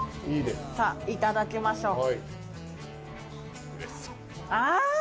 いただきましょう。